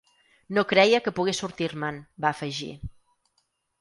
“No creia que pogués sortir-me’n”, va afegir.